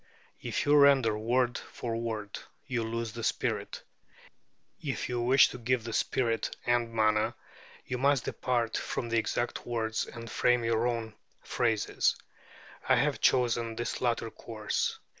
If you render word for word, you lose the spirit; if you wish to give the spirit and manner, you must depart from the exact words and frame your own phrases. I have chosen this latter course.